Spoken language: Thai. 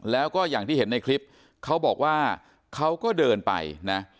แล้วก็อย่างที่เห็นในคลิปเขาบอกว่าเขาก็เดินไปนะ